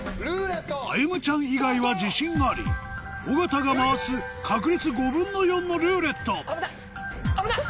あゆむちゃん以外は自信あり尾形が回す確率４／５のルーレット危ない！